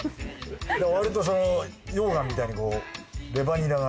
わりとその溶岩みたいにこうレバニラが。